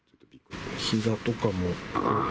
ひざとかも。